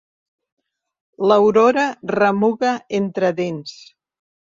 L'Aurora remuga entre dents.